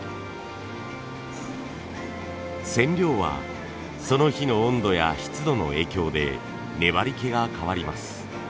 染料はその日の温度や湿度の影響で粘りけが変わります。